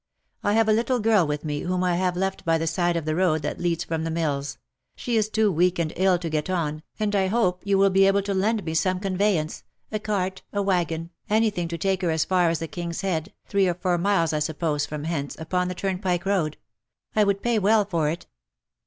I have a little girl with me whom I have left by the side of the road that leads from the mills ; she is too weak and ill to get on, and I hope you will be able to lend me some conveyance — a cart, a waggon, any thing to take her as far as the King's Head, three or four miles I suppose from hence, upon the turn pike road : I would pay well for it."